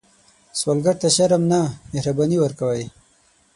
سوالګر ته شرم نه، مهرباني ورکوئ